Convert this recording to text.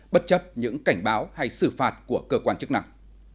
bất chấp những cảnh báo hay xử phạt của cơ quan chức năng